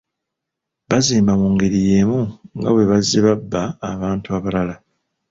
Banziba mu ngeri y'emu nga bwe bazze babba abantu abalala.